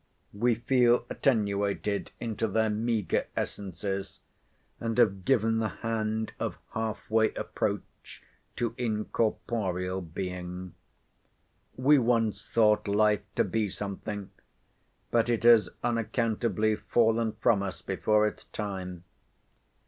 We feel attenuated into their meagre essences, and have given the hand of half way approach to incorporeal being. We once thought life to be something; but it has unaccountably fallen from us before its time.